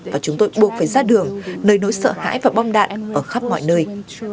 và chúng tôi buộc phải ra đường nơi nỗi sợ hãi và bom đạn ở khắp mọi nơi